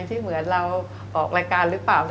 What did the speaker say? ที่เหมือนเราออกรายการหรือเปล่า